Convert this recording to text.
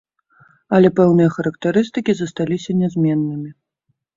Але пэўныя характарыстыкі засталіся нязменнымі.